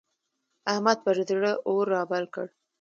احمد پر زړه اور رابل کړ.